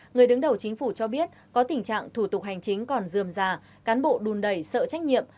người đứng đầu chính phủ cho biết có tình trạng thủ tục hành chính còn dườm già cán bộ đùn đẩy sợ trách nhiệm